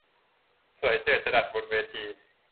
สวยเจิดจรัสบนเวที